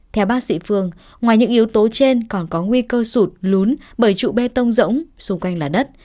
theo bác sĩ phương ngoài những yếu tố trên còn có nguy cơ sụt lún bởi trụ bê tông rỗng xung quanh là đất